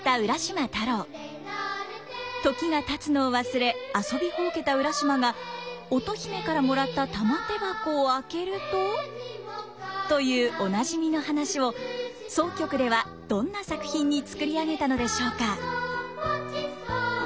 時がたつのを忘れ遊びほうけた浦島が乙姫からもらった玉手箱を開けるとというおなじみの話を箏曲ではどんな作品に作り上げたのでしょうか？